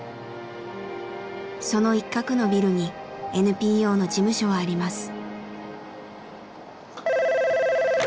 その一角のビルにＮＰＯの事務所はあります。